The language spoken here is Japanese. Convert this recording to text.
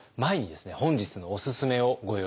本日のおすすめをご用意いたしました。